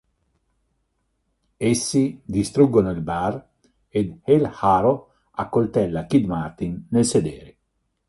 Essi distruggono il bar ed El Jaro accoltella Kid Marin nel sedere.